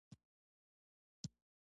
آیا دوی کورونه او اپارتمانونه نه جوړوي؟